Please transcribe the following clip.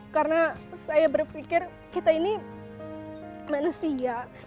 karena saya berpikir kita ini manusia